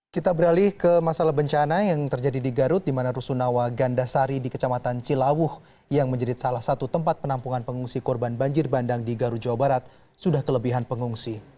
kita beralih ke masalah bencana yang terjadi di garut di mana rusunawa gandasari di kecamatan cilawuh yang menjadi salah satu tempat penampungan pengungsi korban banjir bandang di garut jawa barat sudah kelebihan pengungsi